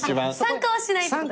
参加はしない。